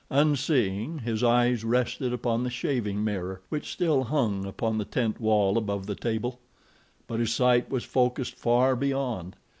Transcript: Unseeing, his eyes rested upon the shaving mirror which still hung upon the tent wall above the table; but his sight was focused far beyond.